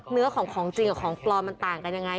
เนื้อของของจริงกับของปลอมมันต่างกันยังไง